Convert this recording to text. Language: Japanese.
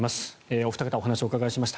お二方にお話をお伺いしました。